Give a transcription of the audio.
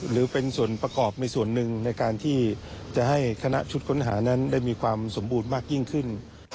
หรือเป็นส่วนประกอบในส่วนหนึ่งในการที่จะให้คณะชุดค้นหานั้นได้มีความสมบูรณ์มากยิ่งขึ้น